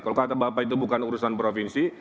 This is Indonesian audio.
kalau kata bapak itu bukan urusan provinsi